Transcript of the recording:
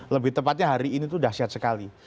lebih tepatnya hari ini tuh dahsyat sekali